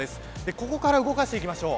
ここから動かしていきましょう。